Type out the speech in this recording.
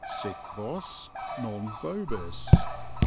_Sic vos, non vobis.